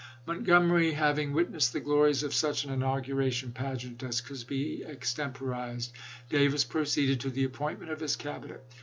Montgomery having witnessed the glories of such an inauguration pageant as could be extemporized, Davis proceeded to the appointment of his Cabinet.